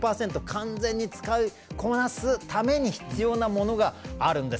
完全に使いこなすために必要なものがあるんです。